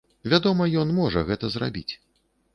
Вядома, ён можа гэта зрабіць!